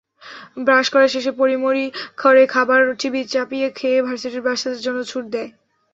Brush করা শেষে পড়িমরি করে খাবার চিবিয়ে-চাপিয়ে খেয়ে ভার্সিটির বাসের জন্য দে-ছুট।